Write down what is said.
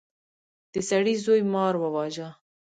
د سړي زوی مار وواژه.